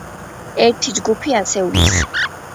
ერთი ჯგუფი ასეულის.